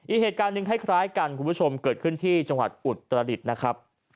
อีกเหตุการณ์หนึ่งคล้ายกันคุณผู้ชมเกิดขึ้นที่จังหวัดอุตรดิษฐ์นะครับ